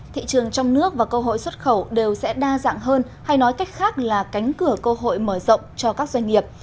thị trường trong nước và cơ hội xuất khẩu đều sẽ đa dạng hơn hay nói cách khác là cánh cửa cơ hội mở rộng cho các doanh nghiệp